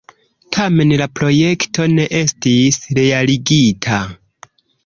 Tamen la projekto ne estis realigita.